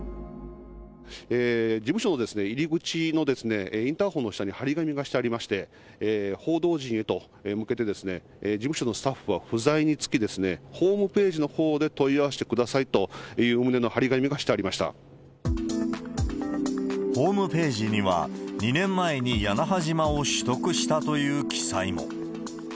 事務所の入り口のインターフォンの下に貼り紙がしてありまして、報道陣へと向けて、事務所のスタッフは不在につき、ホームページのほうで問い合わせてくださいという旨の貼り紙がしホームページには、２年前に屋那覇島を取得したという記載も。